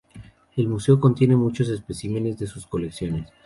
El museo contiene muchos especímenes de sus colecciones.